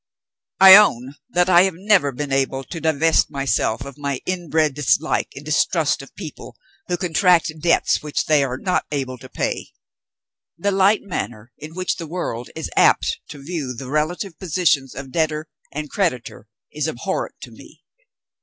I own that I have never been able to divest myself of my inbred dislike and distrust of people who contract debts which they are not able to pay. The light manner in which the world is apt to view the relative positions of debtor and creditor is abhorrent to me.